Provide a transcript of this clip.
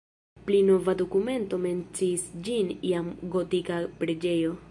Pli nova dokumento menciis ĝin jam gotika preĝejo.